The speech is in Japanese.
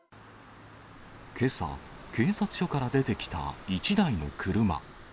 けさ、警察署から出てきた１台の車。